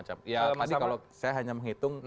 jadi kalau saya hanya menghitung